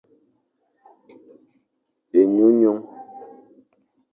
Enyunyung.